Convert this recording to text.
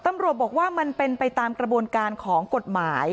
ตำรวจบอกว่ามันเป็นไปตามกระบวนการของกฎหมาย